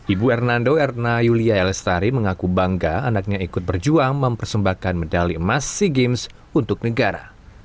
ibu hernando erna yulia elestari mengaku bangga anaknya ikut berjuang mempersembahkan medali emas sea games untuk negara